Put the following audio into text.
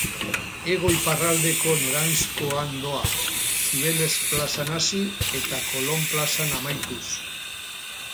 Hego-iparraldeko noranzkoan doa, Zibeles plazan hasi eta Kolon plazan amaituz.